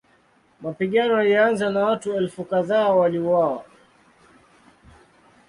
Mapigano yalianza na watu elfu kadhaa waliuawa.